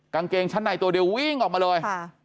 กางเกงชั้นในตัวเดียววิ่งออกมาเลย